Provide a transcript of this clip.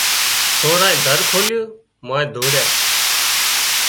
سورانئين در کولينَ مانئين ڍۯيا